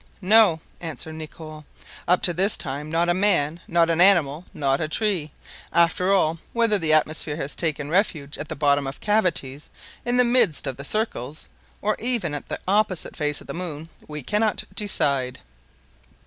"No," answered Nicholl; "up to this time, not a man, not an animal, not a tree! After all, whether the atmosphere has taken refuge at the bottom of cavities, in the midst of the circles, or even on the opposite face of the moon, we cannot decide."